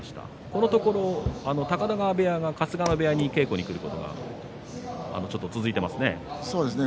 このところ高田川部屋が春日野部屋に稽古に来ることが続いていますね。